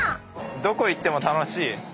どこ行っても楽しい。